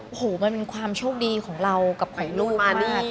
โอ้โหมันเป็นความโชคดีของเรากับของลูกมาก